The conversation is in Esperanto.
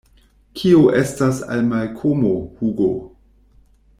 Kio estas al Malkomo, Hugo?